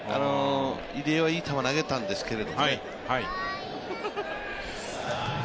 入りはいい球投げたんですけどね。